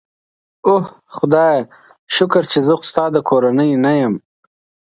اوه خدایه، شکر چې زه خو ستا د کورنۍ نه یم.